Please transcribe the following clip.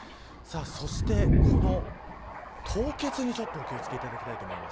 そしてこの凍結に、お気を付けていただきたいと思います。